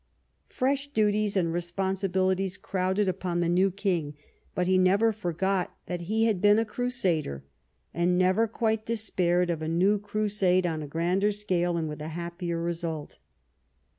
Fresh duties and responsibilities crowded upon the new king, but he never forgot that he had been a crusader, and never quite despaired of a new Crusade on a grander scale and with a happier result.